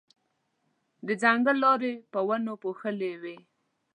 د ځنګل لارې په ونو پوښلې وې.